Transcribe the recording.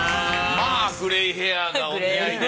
まあグレイヘアがお似合いで。